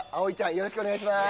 よろしくお願いします